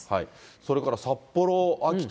それから札幌、秋田